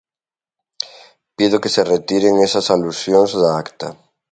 Pido que se retiren esas alusións da acta.